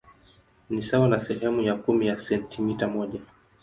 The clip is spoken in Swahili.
Ni sawa na sehemu ya kumi ya sentimita moja.